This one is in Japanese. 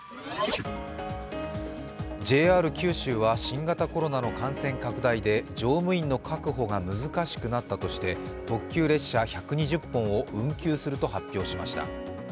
ＪＲ九州は新型コロナの感染拡大で乗務員の確保が難しくなったとして、特急列車１２０本を運休すると発表しました。